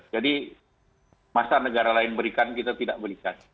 masa negara lain berikan kita tidak berikan